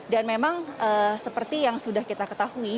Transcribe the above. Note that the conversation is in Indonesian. dan memang seperti yang sudah kita ketahui